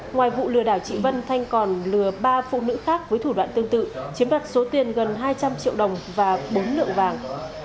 ngoài vụ lừa đảo chị vân thanh còn lừa ba phụ nữ khác với thủ đoạn tương tự chiếm đoạt số tiền gần hai trăm linh triệu đồng và bốn lượng vàng